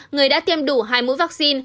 người đã tiêm đủ hai mũi vaccine